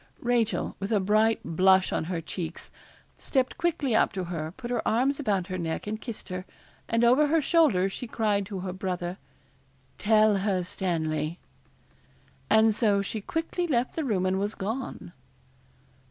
Rachel, with a bright blush on her cheeks, stepped quickly up to her, put her arms about her neck and kissed her, and over her shoulder she cried to her brother 'Tell her, Stanley.' And so she quickly left the room and was gone.